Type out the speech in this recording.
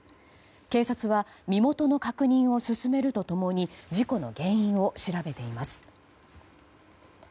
警察は身元の確認を進めると共に事故の原因を調べています。